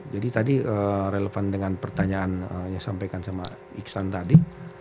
jadi tadi relevan dengan pertanyaan yang disampaikan sama iksan tadi